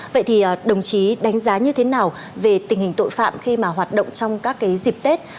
vậy thì đồng chí đánh giá như thế nào về tình hình tội phạm khi mà hoạt động trong các dịp tết